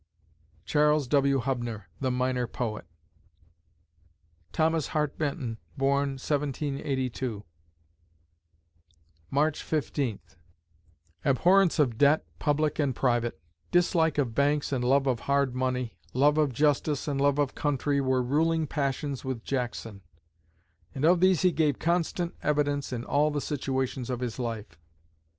CHARLES W. HUBNER (The Minor Poet) Thomas Hart Benton born, 1782 March Fifteenth Abhorrence of debt, public and private; dislike of banks, and love of hard money love of justice and love of country, were ruling passions with Jackson; and of these he gave constant evidence in all the situations of his life.